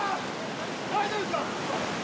大丈夫ですか？